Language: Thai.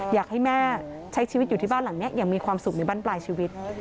อยากให้แม่ใช้ชีวิตอยู่ที่บ้านหลังนี้อย่างมีความสุขในบ้านปลายชีวิต